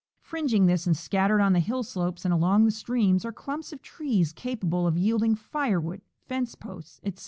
Fringing this and scattered on the hill slopes and along the streams are clumps of trees capable of yielding firewood, fence posts, etc.